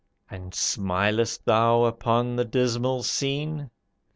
And smilest thou upon the dismal scene?